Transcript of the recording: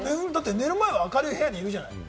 眠る前は明るい部屋にいるじゃない。